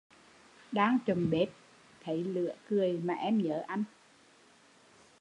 Đang chụm bếp, thấy lửa cười mà em nhớ anh